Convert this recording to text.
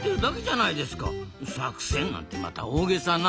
作戦なんてまた大げさな。